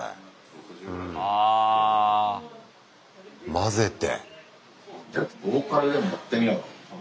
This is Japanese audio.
混ぜて。